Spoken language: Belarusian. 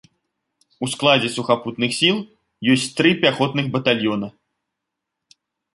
У складзе сухапутных сіл ёсць тры пяхотных батальёна.